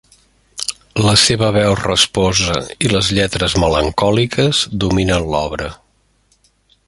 La seva veu rasposa i les lletres melancòliques dominen l'obra.